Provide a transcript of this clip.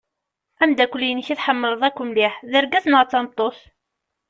Ameddakel-inek i tḥemmleḍ akk mliḥ d argaz neɣ d tameṭṭut?